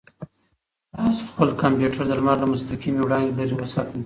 تاسو خپل کمپیوټر د لمر له مستقیمې وړانګې لرې وساتئ.